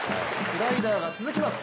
スライダーが続きます